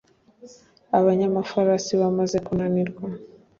abanyamafarasi bamaze kunanirwa